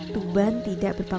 tuban tidak berjualan